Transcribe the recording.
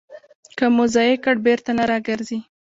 که مو ضایع کړ، بېرته نه راګرځي.